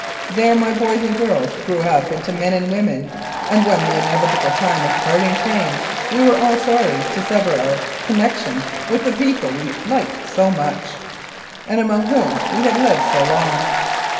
There my boys and girls grew up into men and women, and when the inevitable time of parting came, we were all sorry to sever our connec tion with the people we liked so much, and among whom we had lived so long.